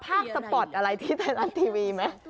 ความลับของแมวความลับของแมว